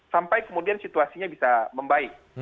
sampai kemudian situasinya bisa membaik